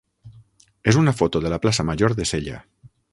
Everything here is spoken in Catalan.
és una foto de la plaça major de Sella.